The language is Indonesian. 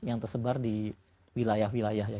yang tersebar di wilayah wilayah ya